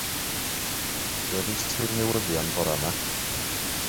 Welist ti'r newyddion bora 'ma?